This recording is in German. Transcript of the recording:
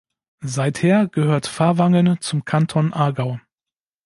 Seither gehört Fahrwangen zum Kanton Aargau.